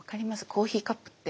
コーヒーカップって。